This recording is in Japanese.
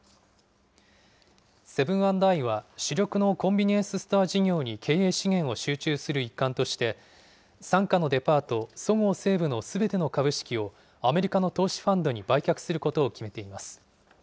セブン＆アイは、主力のコンビニエンスストア事業に経営資源を集中する一環として、傘下のデパート、そごう・西武のすべての株式をアメリカの投資ファンドに売却することを決めています。